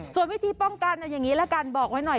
ส่วนวิธีป้องกันเอาอย่างนี้ละกันบอกไว้หน่อย